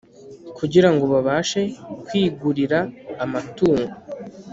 kugirango babashe kwigurira amatungo